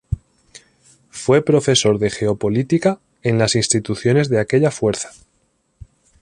Fue profesor de Geopolítica en las instituciones de aquella fuerza.